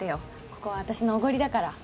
ここは私のおごりだから。